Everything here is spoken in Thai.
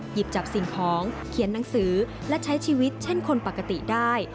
หยิบจับสิ่งของเขียนหนังสือและใช้ชีวิตเช่นคนปกติได้